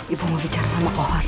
ibu mau bicara sama kohor dan aida